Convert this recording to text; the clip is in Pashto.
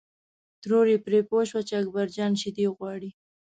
ترور یې پرې پوه شوه چې اکبر جان شیدې غواړي.